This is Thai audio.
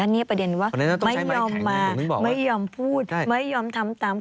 นี่ประเด็นว่าไม่ยอมมาไม่ยอมพูดไม่ยอมทำตาม